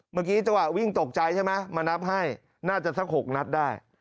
เมื่อกี้จังหวะวิ่งตกใจใช่ไหมมานับให้น่าจะสัก๖นัดได้